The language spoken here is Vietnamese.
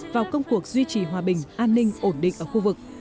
vào công cuộc duy trì hòa bình an ninh ổn định ở khu vực